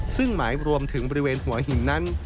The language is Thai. ซึ่งหมายรวมถึงบริเวณหัวหินนั้น